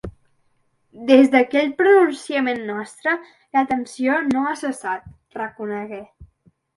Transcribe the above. Des d’aquell pronunciament nostre, la tensió no ha cessat, reconegué.